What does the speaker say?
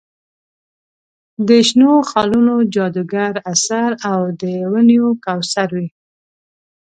د شنو خالونو جادوګر اثر او د ونیو کوثر وي.